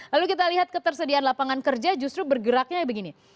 lalu kita lihat ketersediaan lapangan kerja justru bergeraknya begini